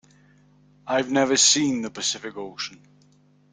I've never seen the Pacific Ocean.